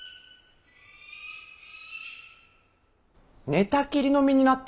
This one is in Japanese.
・寝たきりの身になった。